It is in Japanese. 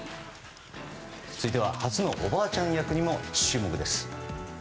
続いては、初のおばあちゃん役にも注目です。